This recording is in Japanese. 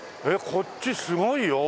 こっちすごいよ奥。